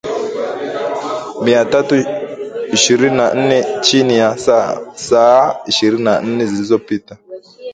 Mia tatu ishirini na nne chini ya saa ishirini na nne zilizopita